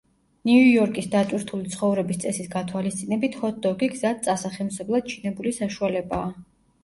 ნიუ-იორკის დატვირთული ცხოვრების წესის გათვალისწინებით, ჰოთ-დოგი გზად წასახემსებლად ჩინებული საშუალებაა.